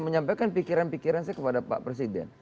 menyampaikan pikiran pikiran saya kepada pak presiden